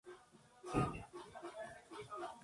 Forma parte de varias series de solución sólida.